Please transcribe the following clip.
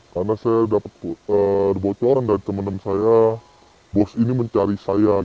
karena saya dapat bocoran dari teman teman saya bos ini mencari saya